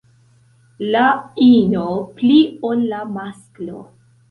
La ino pli ol la masklo.